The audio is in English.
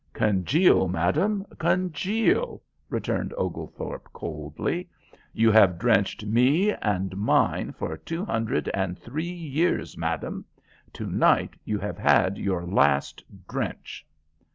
"Congeal, madam, congeal!" returned Oglethorpe, coldly. "You have drenched me and mine for two hundred and three years, madam. To night you have had your last drench."